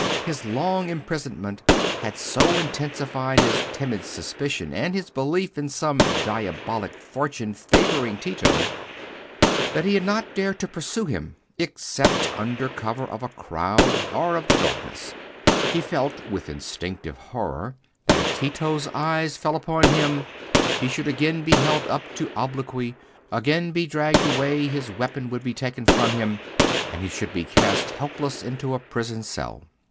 His long imprisonment had so intensified his timid suspicion and his belief in some diabolic fortune favouring Tito, that he had not dared to pursue him, except under cover of a crowd or of the darkness; he felt, with instinctive horror, that if Tito's eyes fell upon him, he should again be held up to obloquy, again be dragged away; his weapon would be taken from him, and he should be cast helpless into a prison cell.